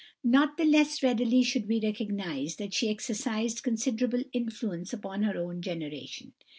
Not the less readily should we recognise that she exercised considerable influence upon her own generation.